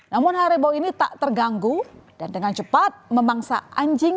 namun harimau ini tak terganggu dan dengan cepat memangsa anjing